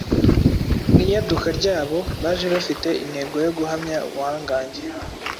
Mu iyaduka ryabo, baje bafite intego yo guhamya ubuhangange